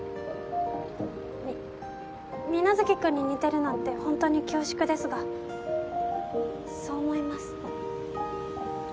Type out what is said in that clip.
み皆月君に似てるなんてホントに恐縮ですがそう思います。